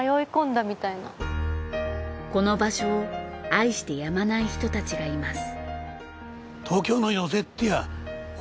この場所を愛してやまない人たちがいます。